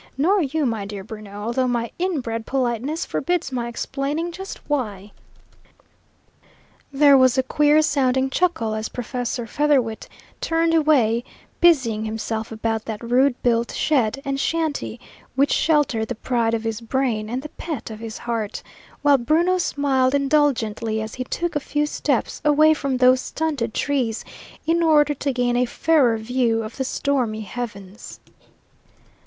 Nor you, my dear Bruno, although my inbred politeness forbids my explaining just why." There was a queer sounding chuckle as Professor Featherwit turned away, busying himself about that rude built shed and shanty which sheltered the pride of his brain and the pet of his heart, while Bruno smiled indulgently as he took a few steps away from those stunted trees in order to gain a fairer view of the stormy heavens.